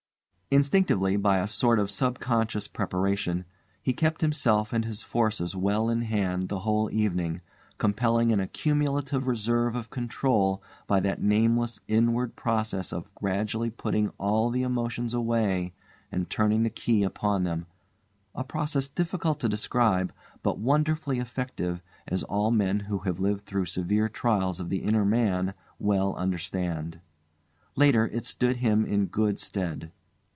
Instinctively, by a sort of sub conscious preparation, he kept himself and his forces well in hand the whole evening, compelling an accumulative reserve of control by that nameless inward process of gradually putting all the emotions away and turning the key upon them a process difficult to describe, but wonderfully effective, as all men who have lived through severe trials of the inner man well understand. Later, it stood him in good stead.